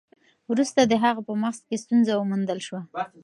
وروسته د هغه په مغز کې ستونزه وموندل شوه.